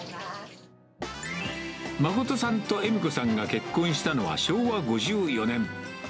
誠さんと恵美子さんが結婚したのは昭和５４年。